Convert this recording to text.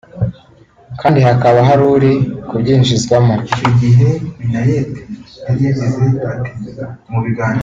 kandi hakaba hari uri kubyinjizwamo